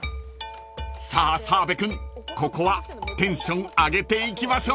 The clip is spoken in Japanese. ［さあ澤部君ここはテンション上げていきましょう］